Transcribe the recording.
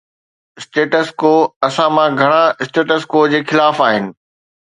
Status Quo اسان مان گھڻا اسٽيٽس ڪو جي خلاف آھن.